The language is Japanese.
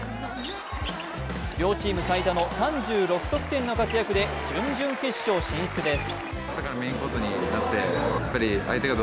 両チーム最多の３６得点の活躍で準々決勝進出です。